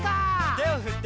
「手を振って」